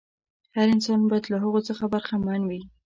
هر انسان باید له هغو څخه برخمن وي.